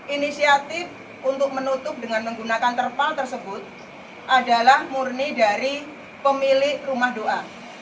inisiatif untuk menutup dengan menggunakan terpal tersebut adalah murni dari pemilik rumah doa